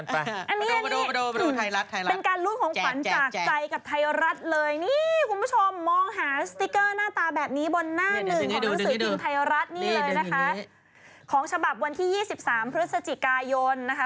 พี่มะเดี่ยวชูเกียจ